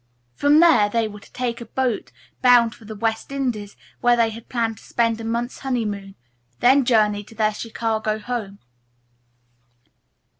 From there they were to take a boat bound for the West Indies where they had planned to spend a month's honeymoon, then journey to their Chicago home.